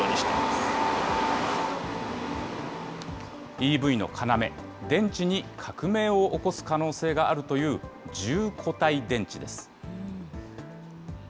ＥＶの要、電池に革命を起こす可能性があるという、柔固体電池です。